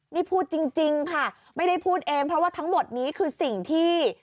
นี่พูดจริงค่ะไม่ได้พูดเองเพราะว่าทั้งหมดนี้คือสิ่งที่